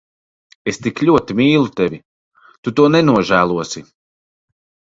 Es tik ļoti mīlu tevi. Tu to nenožēlosi.